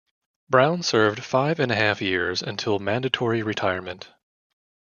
Brown served five and a half years until mandatory retirement.